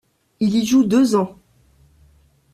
Il y joue deux ans.